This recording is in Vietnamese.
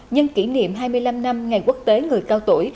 nhân kỷ niệm hai mươi năm năm ngày quốc tế người cao tuổi